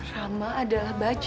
rama adalah baju